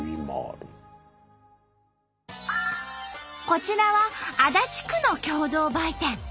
こちらは安田地区の共同売店。